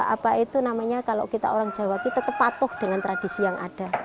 apa itu namanya kalau kita orang jawa kita tetap patuh dengan tradisi yang ada